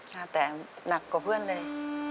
ค่ะแต่หนักกว่าเพื่อนเลย